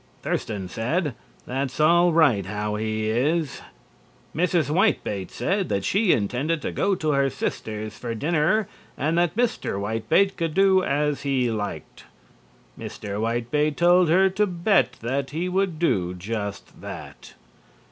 Thurston said "That's all right how he is." Mrs. Whitebait said that she intended to go to her sister's for dinner and that Mr. Whitebait could do as he liked. Mr. Whitebait told her to bet that he would do just that.